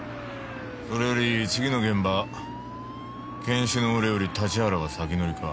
それより次の現場検視の俺より立原が先乗りか。